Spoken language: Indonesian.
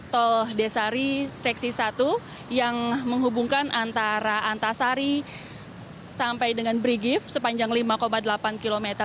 tol desari seksi satu yang menghubungkan antara antasari sampai dengan brigif sepanjang lima delapan km